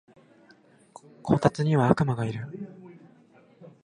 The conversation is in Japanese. こたつには悪魔がいる